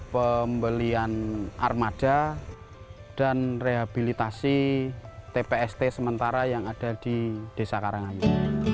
pembelian armada dan rehabilitasi tpst sementara yang ada di desa karanganya